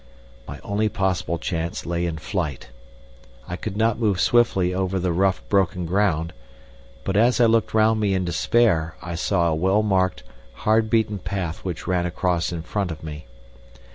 My only possible chance lay in flight. I could not move swiftly over the rough, broken ground, but as I looked round me in despair I saw a well marked, hard beaten path which ran across in front of me.